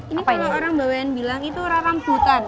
ini kalau orang bawean bilang itu rarambutan